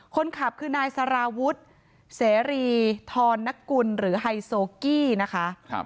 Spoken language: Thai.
คนขับคือนายสาราวุธเสรีทอนนักกุลหรือไฮโซกี้นะคะครับ